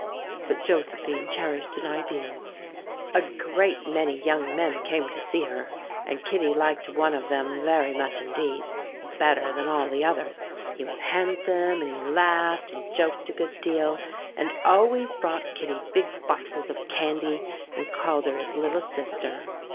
But Josephine cherished an ideal. A great many young men came to see her, and Kittie liked one of them very much indeed better than all the others. He was handsome, and he laughed and joked a good deal, and always brought Kittie big boxes of candy and called her his little sister.